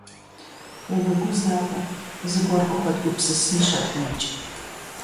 Умыгузавэ, зыгуэр къыхуэдгупсысынщ абыикӏ.